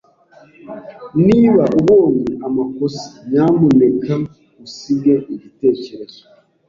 Niba ubonye amakosa, nyamuneka usige igitekerezo.